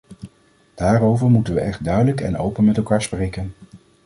Daarover moeten we echt duidelijk en open met elkaar spreken.